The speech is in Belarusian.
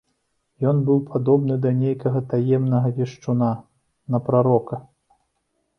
Ён быў падобны да нейкага таемнага вешчуна, на прарока.